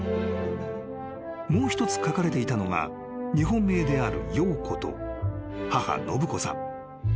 ［もう一つ書かれていたのが日本名である洋子と母信子さん］